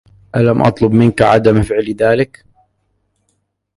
ألم أطلب منك عدم فعل ذلك؟